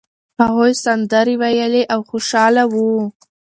هغوی سندرې ویلې او خوشاله وو.